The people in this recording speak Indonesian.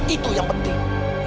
itu kan bunda hina